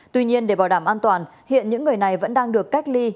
tuy nhiên để bảo đảm an toàn hiện những người này vẫn đang được cách ly